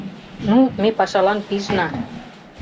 Ну, ме пашалан пижна.